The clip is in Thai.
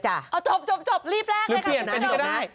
จบรีบแลกแล้วกันครับคุณผู้ชม